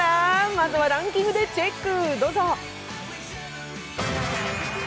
まずはランキングでチェック！